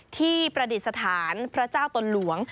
ประดิษฐานพระเจ้าตนหลวง